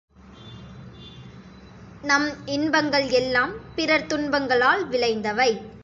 நம் இன்பங்கள் எல்லாம் பிறர் துன்பங்களால் விளைந்தவை.